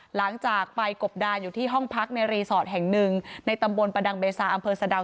หลังจากไปกบดานอยู่ที่ห้องพักในรีสอร์ทแห่งหนึ่งในตำบลประดังเบซาอำเภอสะดาว